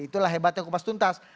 itulah hebatnya kepas tuntas